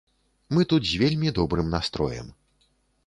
Мы тут з вельмі добрым настроем.